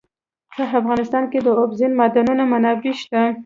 په افغانستان کې د اوبزین معدنونه منابع شته.